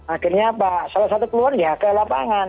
akhirnya salah satu keluar ya ke lapangan